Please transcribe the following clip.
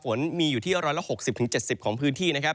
ฝนมีอยู่ที่๑๖๐๗๐ของพื้นที่นะครับ